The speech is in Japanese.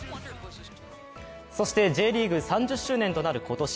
そしてＪリーグ３０周年となる今年。